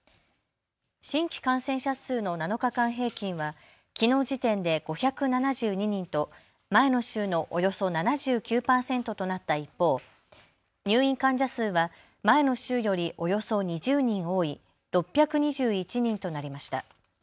新規感染者数の７日間平均はきのう時点で５７２人と前の週のおよそ７９％となった一方、入院患者数は前の週よりおよそ２０人多い６２１人となりました。